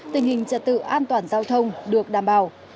tình hình trật tự an toàn giao thông được đảm bảo